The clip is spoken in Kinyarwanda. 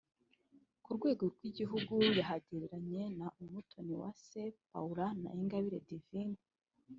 ku rwego rw’igihugu yahageranye na Umutoniwase Paula na Ingabire Divine